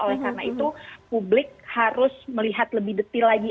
oleh karena itu publik harus melihat lebih detail lagi